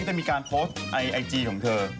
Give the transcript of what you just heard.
ได้มีการโพสต์ไอไอจีของเธอ